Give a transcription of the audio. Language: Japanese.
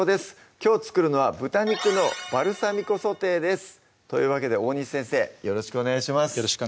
きょう作るのは「豚肉のバルサミコソテー」ですというわけで大西先生よろしくお願いします